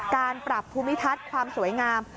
การปรับภูมิทัศน์ความสวยงาม